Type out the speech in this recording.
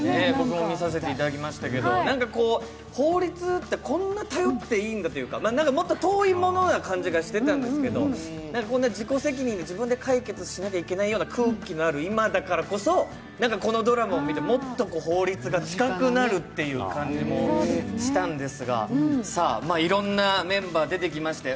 法律ってこんな頼っていいんだというか、何かもっと遠いものな感じがしてたんですけど、自己責任で、自分で解決しなきゃいけないような空気のある今だからこそ、このドラマを見てもっと法律が近くなるという感じもしたんですがいろんなメンバー、出てきました。